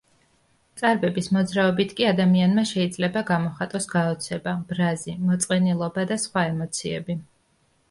წარბების მოძრაობით კი ადამიანმა შეიძლება გამოხატოს გაოცება, ბრაზი, მოწყენილობა და სხვა ემოციები.